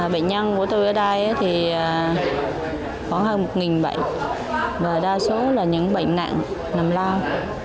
bệnh nhân của tôi ở đây thì khoảng hơn một bệnh và đa số là những bệnh nặng nằm lao